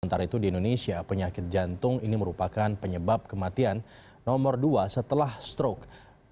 sementara itu di indonesia penyakit jantung ini merupakan penyebab kematian nomor dua setelah stroke